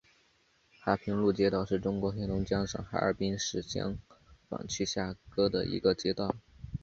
哈平路街道是中国黑龙江省哈尔滨市香坊区下辖的一个街道。